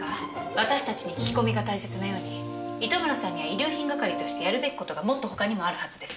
私たちに聞き込みが大切なように糸村さんには遺留品係としてやるべき事がもっと他にもあるはずです。